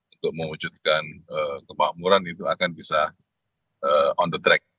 untuk mewujudkan kemakmuran itu akan bisa on the track